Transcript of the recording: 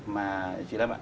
mà chị lâm ạ